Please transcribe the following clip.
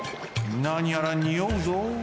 なにやらにおうぞ。